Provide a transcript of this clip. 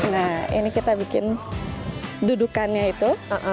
nah ini kita bikin dudukannya itu